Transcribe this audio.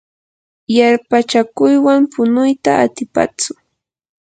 yarpachakuywan punuyta atipatsu.